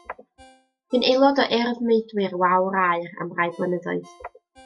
Bu'n aelod o Urdd Meudwy'r Wawr Aur am rai blynyddoedd.